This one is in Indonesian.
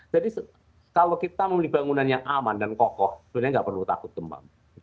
jadi kalau kita memilih bangunan yang aman dan kokoh sebenarnya tidak perlu takut kembang